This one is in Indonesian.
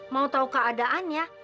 mau tahu keadaannya